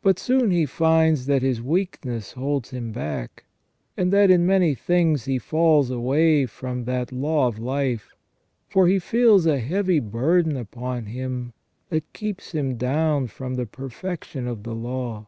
But soon he finds that his weakness holds him back, and that in many things he falls away from that law of life ; for he feels a heavy burden upon him that keeps him down from the perfection of the law.